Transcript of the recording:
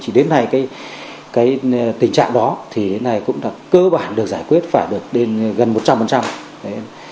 chỉ đến nay cái tình trạng đó thì cái này cũng là cơ bản được giải quyết phải được đến gần một trăm linh